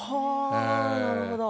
なるほど。